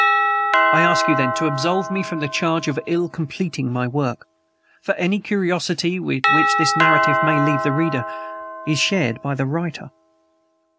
I ask you then, to absolve me from the charge of ill completing my work; for any curiosity with which this narrative may leave the reader burdened is shared by the writer.